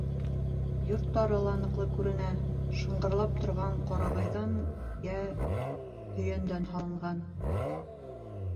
Йорттары ла ныҡлы күренә: шыңғырлап торған ҡарағайҙан йә һөйәндән һалынған.